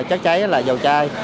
chất cháy là dầu chai